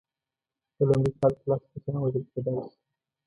په لومړۍ کال کې لس کسان وژل کېدلای شي.